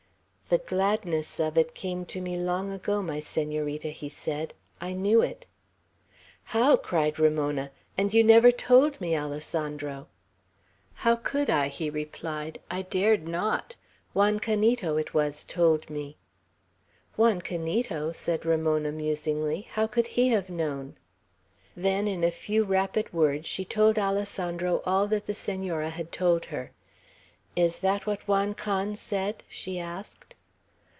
"The gladness of it came to me long ago, my Senorita," he said. "I knew it!" "How?" cried Ramona. "And you never told me, Alessandro!" "How could I?" he replied. "I dared not. Juan Canito, it was told me." "Juan Canito!" said Ramona, musingly. "How could he have known?" Then in a few rapid words she told Alessandro all that the Senora had told her. "Is that what Juan Can said?" she asked.